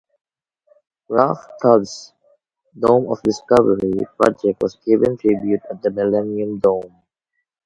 Ralph Tubbs's Dome of Discovery project was given tribute at the Millennium Dome.